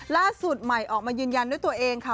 ล่าสุดใหม่ออกมายืนยันด้วยตัวเองค่ะ